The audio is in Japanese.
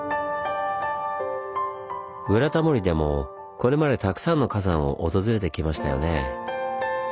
「ブラタモリ」でもこれまでたくさんの火山を訪れてきましたよねぇ。